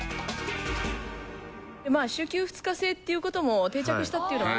週休２日制っていう事も定着したっていうのがありまして。